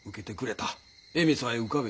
笑みさえ浮かべてな。